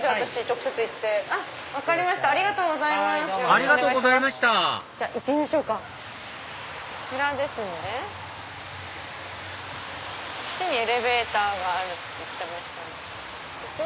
こっちにエレベーターがあるって言ってましたね。